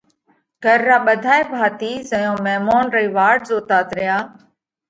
گھر را ٻڌائي ڀاتِي زئيون ميمونَ رئي واٽ زوتات ريا،